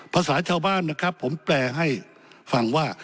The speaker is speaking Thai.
ภาษาชาวบ้านนะครับผมแปลให้ฟังว่า